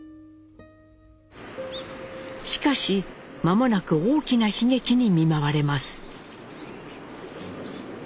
しかし間もなく大きな悲劇に見舞われます。